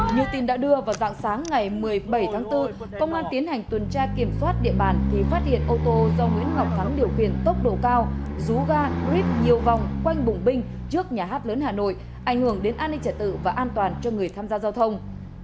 như tin đã đưa vào dạng sáng ngày một mươi bảy tháng bốn công an tiến hành tuần tra kiểm soát địa bàn thì phát hiện ô tô do nguyễn ngọc thắng điều khiển tốc độ cao rú ga ríp nhiều vòng quanh bụng binh trước nhà hát lớn hà nội ảnh hưởng đến an ninh trả tự và an toàn cho người tham gia giao thông